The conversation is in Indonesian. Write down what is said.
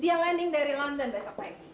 dia landing dari london besok pagi